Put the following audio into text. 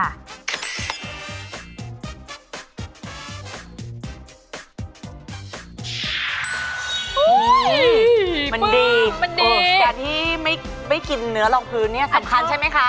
อุ้ยมันดีแต่ที่ไม่กินเนื้อรองพื้นเนี่ยสำคัญใช่ไหมคะ